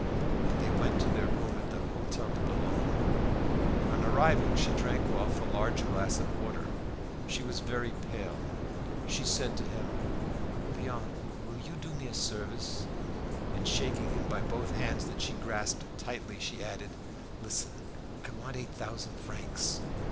And they went to their room at the Hotel de Boulogne. On arriving she drank off a large glass of water. She was very pale. She said to him "Léon, you will do me a service?" And, shaking him by both hands that she grasped tightly, she added "Listen, I want eight thousand francs."